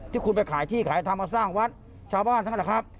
ที่คุณไปขายที่ขายทำมาสร้างวัดชาวบ้านเท่านั้นแหละครับ